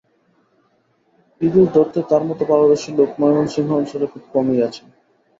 ইঁদুর ধরতে তাঁর মতো পারদর্শী লোক ময়মনসিংহ অঞ্চলে খুব কমই আছেন।